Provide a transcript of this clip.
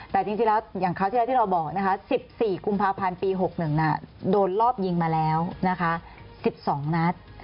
แต่จริงแล้วอย่างคราวที่แล้วที่เราบอกนะคะ๑๔กุมภาพันธ์ปี๖๑โดนรอบยิงมาแล้วนะคะ๑๒นัด